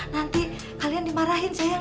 nanti kalian dimarahin sayang